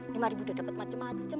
lima ribu udah dapet macem macem